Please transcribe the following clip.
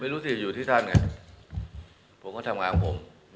ไม่รู้สิอยู่ที่ท่านไงผมก็ทำงานของผม